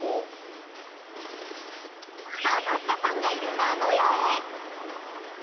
ハマったさんがいる名古屋へ！